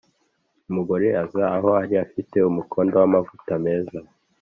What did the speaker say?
umugore aza aho ari afite umukondo w’amavuta meza